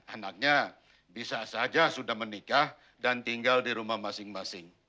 anaknya bisa saja sudah menikah dan tinggal di rumah masing masing